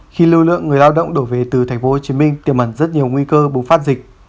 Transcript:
khi lưu lượng người lao động đổ về từ tp hcm tiềm ẩn rất nhiều nguy cơ bùng phát dịch